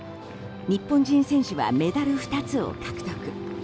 日本人選手はメダル２つを獲得。